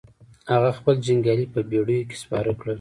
هغه خپل جنګيالي په بېړيو کې سپاره کړل.